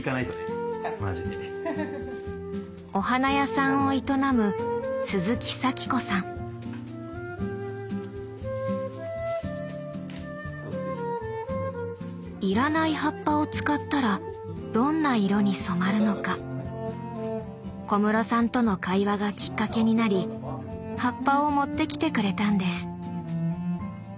お花屋さんを営むいらない葉っぱを使ったらどんな色に染まるのか小室さんとの会話がきっかけになり葉っぱを持ってきてくれたんです。